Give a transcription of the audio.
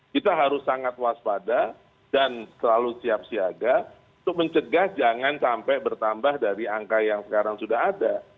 kita harus sangat waspada dan selalu siap siaga untuk mencegah jangan sampai bertambah dari angka yang sekarang sudah ada